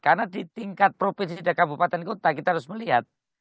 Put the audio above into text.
karena di tingkat provinsi dan kabupaten kota kita harus melihat